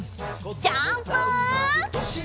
ジャンプ！